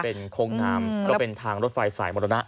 เป็นโค้งน้ำก็เป็นทางรถไฟสายมรณะ